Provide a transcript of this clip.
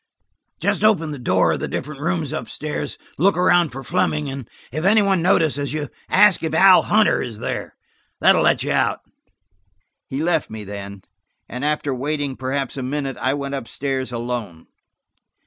Just open the door of the different rooms up stairs, look around for Fleming, and if any one notices you, ask if Al Hunter is there. That will let you out." He left me then, and after waiting perhaps a minute, I went up stairs alone.